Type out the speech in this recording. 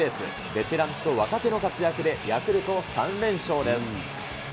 ベテランと若手の活躍で、ヤクルト３連勝です。